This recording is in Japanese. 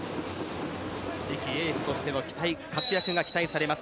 次期エースとしての期待活躍が期待されます